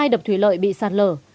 hai đập thủy lợi bị sạt lở